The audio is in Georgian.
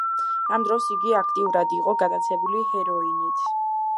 ამ დროს იგი აქტიურად იყო გატაცებული ჰეროინით.